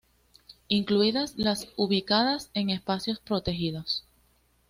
incluidas las ubicadas en espacios protegidos